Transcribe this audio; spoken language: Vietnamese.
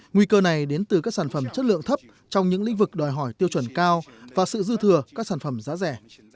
nguy cơ này đến từ các sản phẩm chất lượng thấp trong những lĩnh vực đòi hỏi tiêu chuẩn cao và sự dư thừa các sản phẩm giá rẻ